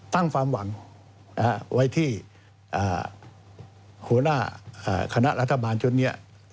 ตั้งความหวังไว้ที่หัวหน้าคณะรัฐบาลชุดนี้